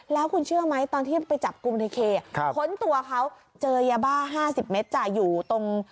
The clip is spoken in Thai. แล้วคุณเชื่อไหมตอนที่มันไปจับกุมในเคครับขนตัวเขาเจอยาบ้าห้าสิบเมตรจะอยู่ตรง